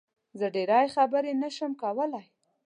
زه ډېری خبرې نه شم کولی